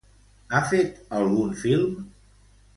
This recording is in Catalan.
Ha fet algun film?